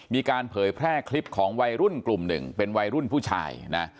เผยแพร่คลิปของวัยรุ่นกลุ่มหนึ่งเป็นวัยรุ่นผู้ชายนะ